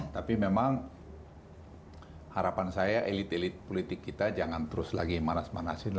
tapi memang harapan saya elit elit politik kita jangan terus lagi manas manasin